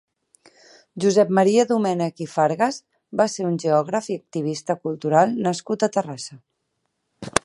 Josep Maria Domènech i Fargas va ser un geògraf i activista cultural nascut a Terrassa.